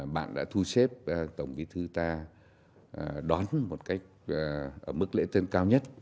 bạn đã thu xếp tổng bí thư ta đón một cách ở mức lễ tân cao nhất